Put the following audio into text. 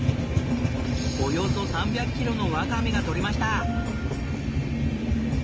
およそ３００キロのワカメがとれました！